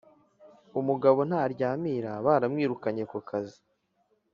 Umugabo ntaryamira baramwirukanye kukazi